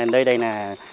nơi đây là